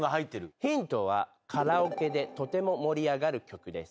ヒントはカラオケでとても盛り上がる曲です。